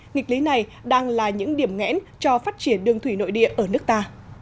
nghịch lý này đang là những điểm ngẽn cho phát triển đường thủy nội địa ở nước ta